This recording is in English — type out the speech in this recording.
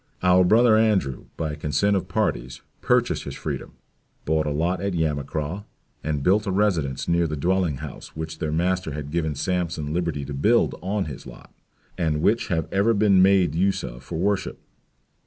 Our Brother Andrew, by consent of parties, purchased his freedom, bought a lot at Yamacraw, and built a residence near the dwelling house which their master had given Sampson liberty to build on his lot; and which have ever been made use of for worship.